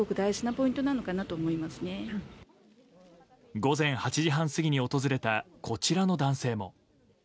午前８時半過ぎに訪れたこちらの男性も。